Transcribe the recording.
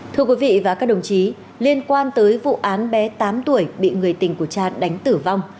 thưa quý vị và các đồng chí liên quan tới vụ án bé tám tuổi bị người tình của cha đánh tử vong